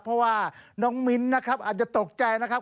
เพราะว่าน้องมิ้นนะครับอาจจะตกใจนะครับ